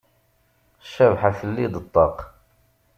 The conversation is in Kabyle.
Cabḥa telli-d ṭṭaq.